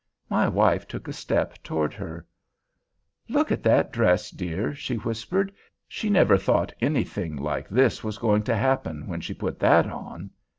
My wife took a step toward her. "Look at that dress, dear," she whispered; "she never thought anything like this was going to happen when she put that on."